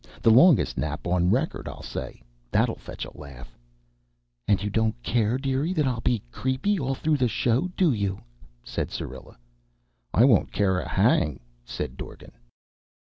The longest nap on record,' I'll say. That'll fetch a laugh." "And you don't care, dearie, that I'll be creepy all through the show, do you?" said Syrilla. "I won't care a hang," said Dorgan.